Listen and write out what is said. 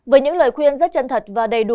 với những lời khuyên rất chân thật và đầy đủ